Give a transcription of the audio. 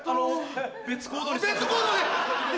別行動で！